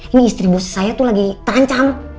ini istri bus saya tuh lagi terancam